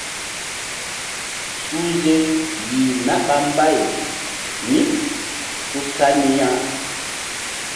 Suhze yeh na ɓa mbay mí ku sa ni ya.